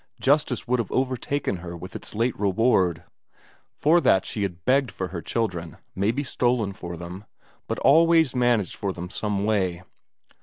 Justice would have overtaken her with its late reward; for that she had begged for her children, maybe stolen for them, but always managed for them some way.